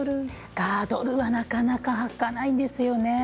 ガードルはなかなかはかないですよね。